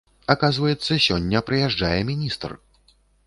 Аказваецца, сёння прыязджае міністр!